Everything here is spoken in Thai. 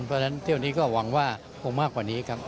เพราะฉะนั้นเที่ยวนี้ก็หวังว่าคงมากกว่านี้ครับ